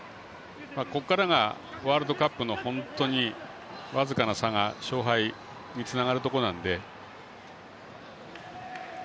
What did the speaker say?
ここからが、ワールドカップの本当に僅かな差が勝敗につながるところなので。